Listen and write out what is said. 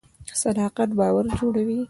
صداقت باور جوړوي